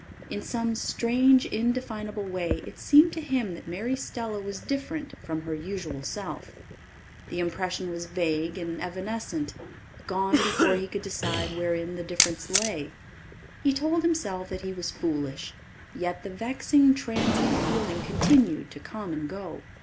In some strange, indefinable way it seemed to him that Mary Stella was different from her usual self. The impression was vague and evanescent gone before he could decide wherein the difference lay. He told himself that he was foolish, yet the vexing, transient feeling continued to come and go.